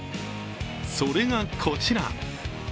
それがこちら！